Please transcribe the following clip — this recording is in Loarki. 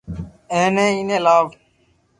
اي ني ايني لاو